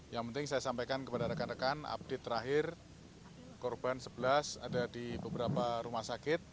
yang penting saya sampaikan kepada rekan rekan update terakhir korban sebelas ada di beberapa rumah sakit